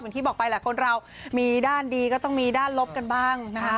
ที่บอกไปแหละคนเรามีด้านดีก็ต้องมีด้านลบกันบ้างนะคะ